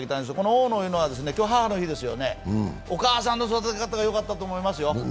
大野というのは、今日、母の日ですよね、お母さんの育て方が良かったと思いますよ。